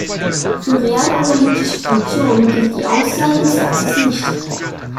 Für reell-analytische Funktionen gilt die Aussage des Satzes nicht.